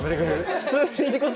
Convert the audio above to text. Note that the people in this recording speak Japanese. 普通に。